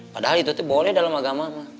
padahal itu boleh dalam agama